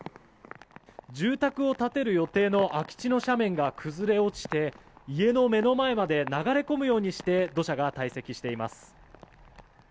住宅を建てる予定の空き地の斜面が崩れ落ちて家の目の前まで流れ込むようにして土砂がたい積しています。